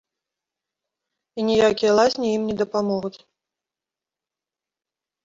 І ніякія лазні ім не дапамогуць.